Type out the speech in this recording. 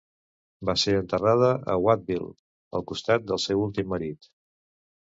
Va ser enterrada a Wattville, al costat del seu últim marit.